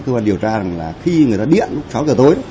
cơ quan điều tra rằng là khi người ta điện lúc sáu giờ tối